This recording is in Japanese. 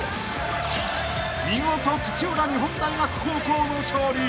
［見事土浦日本大学高校の勝利］